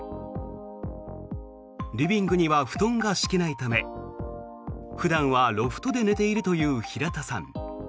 リビングには布団が敷けないため普段はロフトで寝ているという平田さん。